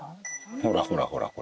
ほらほらほらほら。